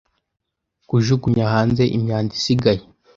Kujugunya hanze imyanda isigaye.